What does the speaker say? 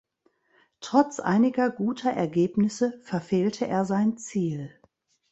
Trotz einiger guter Ergebnisse verfehlte er sein Ziel.